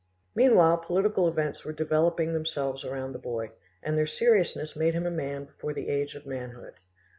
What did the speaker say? Meanwhile political events were developing themselves around the boy, and their seriousness made him a man before the age of manhood.